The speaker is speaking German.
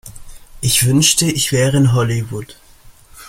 Ich wünschte ich wäre in Hollywood.